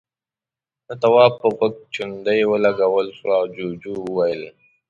د تواب په غوږ چونډۍ ولګول شوه، جُوجُو وويل: